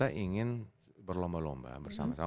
nah kan gini kita ingin berlomba lomba bersama sama